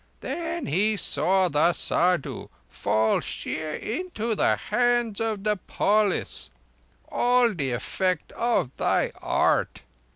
Then he saw the Saddhu fall sheer into the hands of the polis—all the effect of thy art.